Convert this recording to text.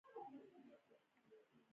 وردګ د قوم او ولایت نوم دی